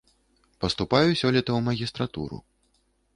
Паступаю сёлета ў магістратуру.